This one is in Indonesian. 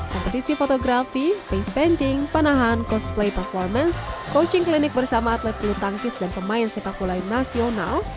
kompetisi fotografi face painting panahan cosplay performance coaching klinik bersama atlet lutangkis dan pemain sepakulai nasional